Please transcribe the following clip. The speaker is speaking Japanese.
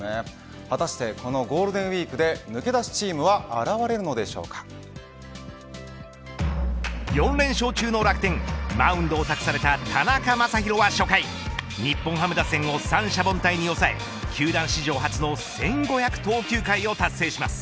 果たしてゴールデンウイークで抜け出すチームは４連勝中の楽天マウンドを託された田中将大は初回日本ハム打線を三者凡退に抑え球団史上初の１５００投球回達成します。